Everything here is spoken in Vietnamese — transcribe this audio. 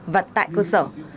và tại lúc này